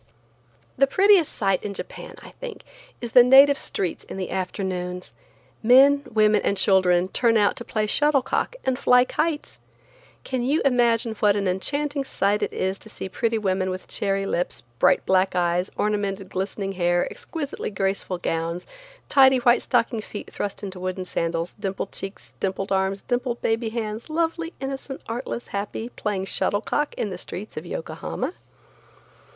The prettiest sight in Japan, I think, is the native streets in the afternoons. Men, women and children turn out to play shuttle cock and fly kites. Can you imagine what an enchanting sight it is to see pretty women with cherry lips, black bright eyes, ornamented, glistening hair, exquisitely graceful gowns, tidy white stockinged feet thrust into wooden sandals, dimpled cheeks, dimpled arms, dimpled baby hands, lovely, innocent, artless, happy, playing shuttlecock in the streets of Yokohama?